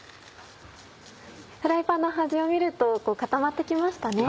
フライパンの端を見ると固まって来ましたね。